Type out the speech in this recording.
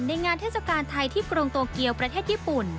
งานเทศกาลไทยที่กรุงโตเกียวประเทศญี่ปุ่น